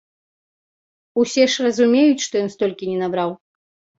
Усе ж разумеюць, што ён столькі не набраў.